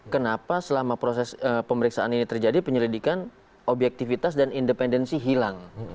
kenapa selama proses pemeriksaan ini terjadi penyelidikan objektivitas dan independensi hilang